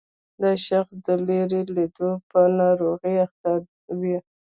دا شخص د لیرې لیدلو په ناروغۍ اخته وي.